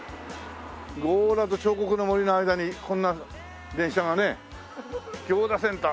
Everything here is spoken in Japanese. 強羅と彫刻の森の間にこんな電車がね。餃子センター